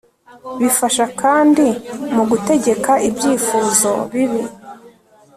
bifasha kandi mu gutegeka ibyifuzo bibi